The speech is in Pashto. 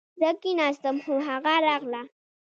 زه کښېناستم خو هغه راغله